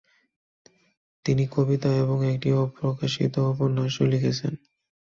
তিনি কবিতা এবং একটি অপ্রকাশিত উপন্যাসও লিখেছেন।